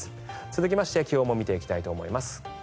続いて気温も見ていきたいと思います。